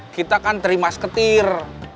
kita kan terima seketir